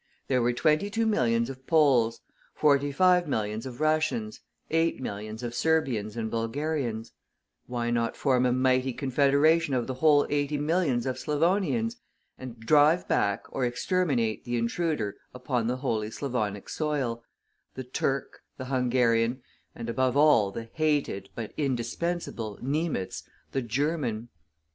There were twenty two millions of Poles, forty five millions of Russians, eight millions of Serbians and Bulgarians; why not form a mighty confederation of the whole eighty millions of Slavonians, and drive back or exterminate the intruder upon the holy Slavonic soil, the Turk, the Hungarian, and above all the hated, but indispensable Niemetz, the German?